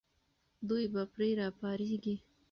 دوی به پرې راپارېږي.